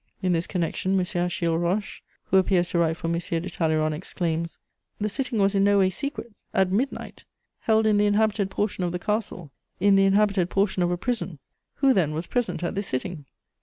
In this connection M. Achille Roche, who appears to write for M. de Talleyrand, exclaims: "The sitting was in no way secret! At midnight! Held in the inhabited portion of the castle, in the inhabited portion of a prison! Who, then, was present at this sitting?